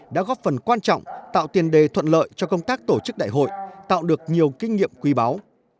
đã góp phần quan trọng tạo tiền đề thuận lợi cho công tác tổ chức đại hội tạo được nhiều kinh nghiệm quý báu